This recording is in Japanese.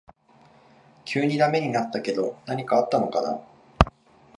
急にダメになったけど何かあったのかな